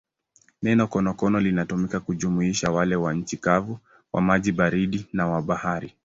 Neno konokono linatumika kujumuisha wale wa nchi kavu, wa maji baridi na wa bahari.